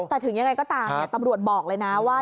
แต่ถึงยังไงก็ตามตำรวจบอกเลยนะว่า